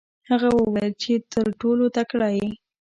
هغه وویل چې ته تر ټولو تکړه یې.